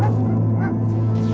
aku mau ke rumah